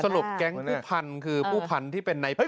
สรุปแก๊งผู้พันคือผู้พันที่เป็นในผัน